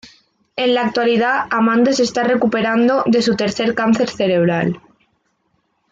En la actualidad, Amanda se está recuperando de su tercer cáncer cerebral.